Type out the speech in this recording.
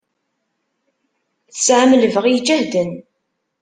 Tesɛam lebɣi ijehden.